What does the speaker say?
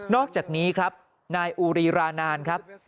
อกจากนี้ครับนายอูรีรานานครับ